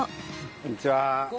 こんにちは。